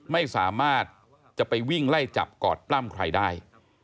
ไม่สามารถจะไปวิ่งไล่จับกอดปล้ำใครได้